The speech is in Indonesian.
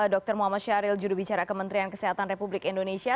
dr muhammad syahril jurubicara kementerian kesehatan republik indonesia